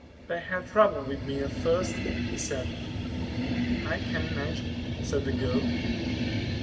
"They had trouble with me at first," he said. "I can imagine," said the girl.